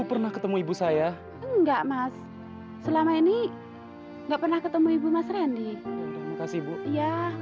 eh nak randy